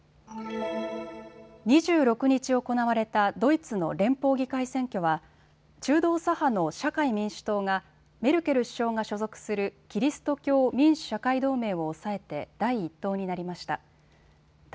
２６日行われたドイツの連邦議会選挙は中道左派の社会民主党がメルケル首相が所属するキリスト教民主・社会同盟を抑えて第１党になりました。